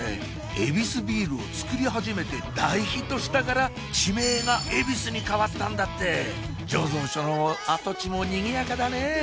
ヱビスビールを作り始めて大ヒットしたから地名が恵比寿に変わったんだって醸造所の跡地もにぎやかだねぇ